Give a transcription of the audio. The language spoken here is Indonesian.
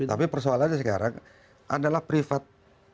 tapi persoalannya sekarang adalah privat